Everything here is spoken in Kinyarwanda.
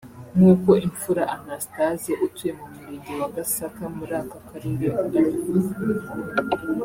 nk’uko Imfura Anastase utuye mu Murenge wa Gasaka muri aka Karere abivuga